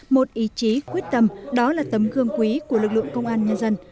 một ý chí quyết tâm đó là tấm gương quý của lực lượng công an nhân dân